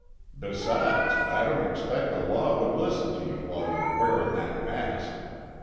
Besides, I don't expect the law would listen to you while you're wearin' that mask.